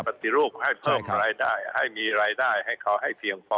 ปฏิรูปให้เพิ่มรายได้ให้มีรายได้ให้เขาให้เพียงพอ